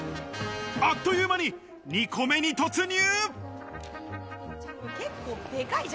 あっという間に２個目に突入。